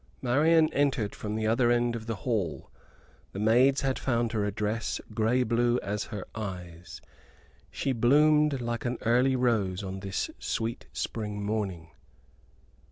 Marian entered from the other end of the hall. The maids had found her a dress, grey blue as her eyes. She bloomed like an early rose on this sweet spring morning.